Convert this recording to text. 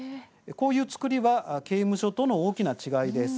こういう作りは刑務所との大きな違いです。